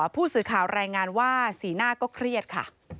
ผู้สื่อข่าวรายงานว่าสีหน้าก็เครียดค่ะ